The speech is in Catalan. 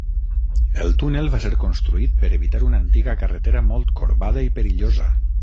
El túnel va ser construït per evitar una antiga carretera molt corbada i perillosa.